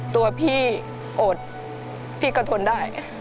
ตัวพี่โอดพี่ก็ทนได้